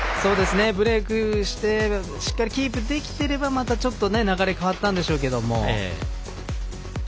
ブレークしてしっかりキープできていればちょっと流れ変わったんでしょうけども。